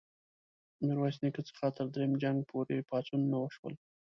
د میرویس نیکه څخه تر دریم جنګ پوري پاڅونونه وشول.